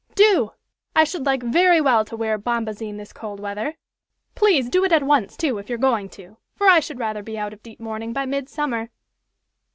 Do! I should like very well to wear bombazine this cold weather. Please do it at once, too, if you're going to, for I should rather be out of deep mourning by midsummer!"